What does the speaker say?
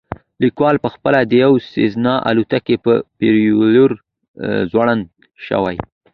لیکوال پخپله د یوې سیزنا الوتکې په پروپیلر ځوړند شوی